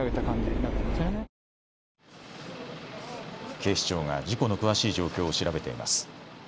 警視庁が事故の詳しい状況を調べています。